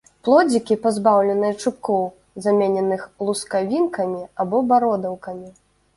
Плодзікі пазбаўленыя чубкоў, замененых лускавінкамі або бародаўкамі.